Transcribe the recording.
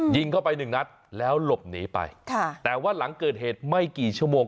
ยิงเข้าไปหนึ่งนัดแล้วหลบหนีไปค่ะแต่ว่าหลังเกิดเหตุไม่กี่ชั่วโมง